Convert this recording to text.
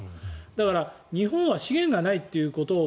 だから日本は資源がないということを